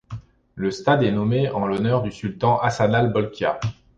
Le stade est nommé en l'honneur du Sultan Hassanal Bolkiah.